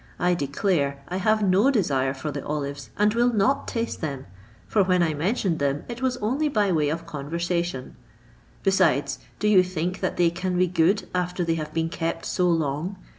I declare I have no desire for the olives, and will not taste them, for when I mentioned them it was only by way of conversation; besides, do you think that they can be good, after they have been kept so long?